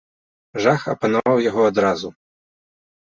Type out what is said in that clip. Жах апанаваў яго адразу.